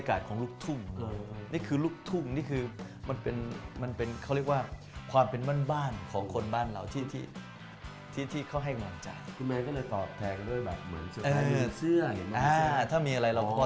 คือมันเป็นเขาเรียกว่าความเป็นมั้นบ้านของคนบ้านเราที่เขาให้กำลังใจเรา